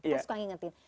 terus kau ingetin